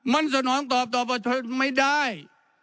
มันสนองตอบต่อประชาชนไม่ได้